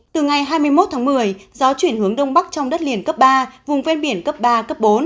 từ ngày hai mươi một tháng một mươi gió chuyển hướng đông bắc trong đất liền cấp ba vùng ven biển cấp ba cấp bốn